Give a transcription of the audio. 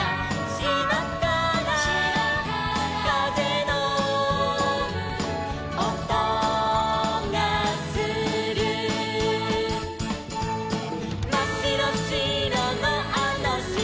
「しまからかぜのおとがする」「まっしろしろのあのしまで」